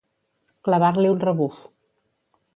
Clavar-li un rebuf.